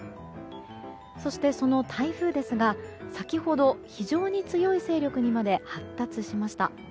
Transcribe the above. そして、その台風ですが先ほど非常に強い勢力にまで発達しました。